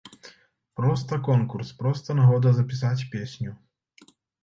Проста конкурс, проста нагода запісаць песню.